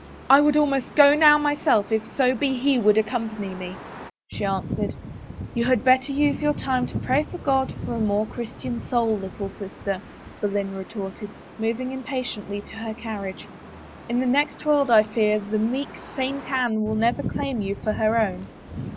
" I would almost go now myself if so be he would accompany me," she answered. " You had better use your time to pray God for a more Christian soul, little sister," Boleyn retorted, moving im patiently to her carriage. " In the next world, I fear, the meek Saint Anne will never claim you for her own."